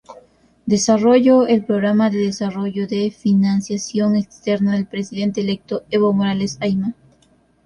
Desarrollo el programa de desarrollo de financiación externa del presidente electo Evo Morales Ayma.